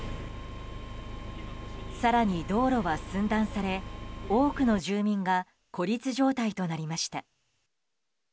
更に、道路は寸断され多くの住民が孤立状態となりました。